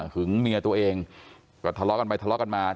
เมียตัวเองก็ทะเลาะกันไปทะเลาะกันมา